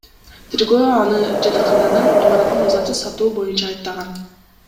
Тергөө аны жатакананын имаратын мыйзамсыз сатуу боюнча айыптаган.